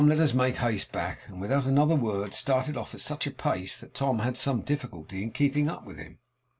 Let us make haste back!' And without another word started off at such a pace, that Tom had some difficulty in keeping up with him.